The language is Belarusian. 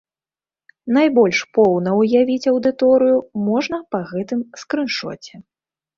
Найбольш поўна ўявіць аўдыторыю можна па гэтым скрыншоце.